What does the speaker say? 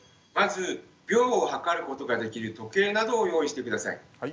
まず秒を計ることができる時計などを用意して下さい。